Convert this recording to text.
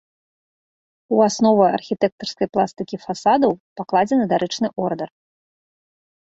У аснову архітэктарскай пластыкі фасадаў пакладзены дарычны ордар.